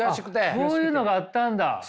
そういうのがあったんだ。